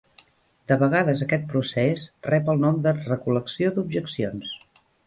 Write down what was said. De vegades aquest procés rep el nom de "recol·lecció d'objeccions".